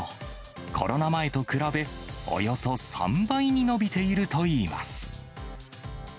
コロナ前と比べ、およそ３倍に伸びているといいます。